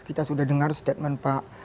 kita sudah dengar statement pak